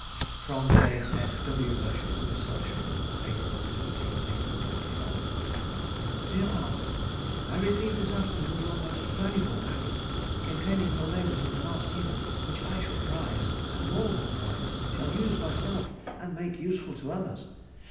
_] FROM J. F. W. HERSCHEL TO MISS HERSCHEL. April 18, 1825. DEAR AUNT,— I received this afternoon your most valuable packet containing your labours of the last year, which I shall prize, and more than prize—shall use myself, and make useful to others.